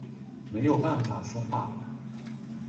没有办法说话